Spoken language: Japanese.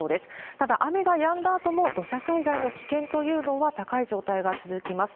ただ、雨がやんだあとも土砂災害の危険というのは高い状態が続きます。